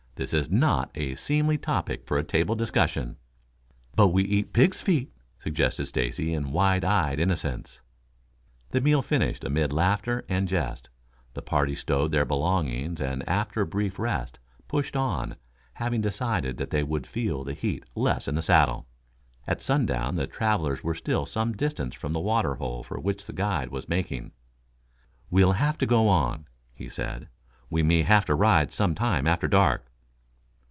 "This is not a seemly topic for table discussion." "But we eat pigs' feet," suggested Stacy in wide eyed innocence. The meal finished, amid laughter and jest, the party stowed their belongings, and after a brief rest, pushed on, having decided that they would feel the heat less in the saddle. At sundown the travelers were still some distance from the water hole for which the guide was making. "We'll have to go on," he said. "We may have to ride some time after dark."